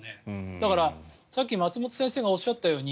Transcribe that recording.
だから、さっき松本先生がおっしゃったように